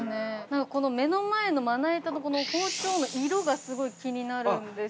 ◆目の前のまな板とこの包丁の色が、すごい気になるんですよ。